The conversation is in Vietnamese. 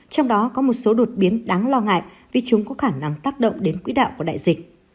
trong đó có một số đột biến đáng lo ngại vì chúng có khả năng tác động đến quỹ đạo của đại dịch